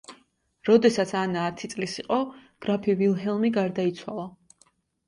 როდესაც ანა ათი წლის იყო გრაფი ვილჰელმი გარდაიცვალა.